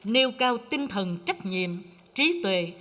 nêu cao tinh thần trách nhiệm trí tuệ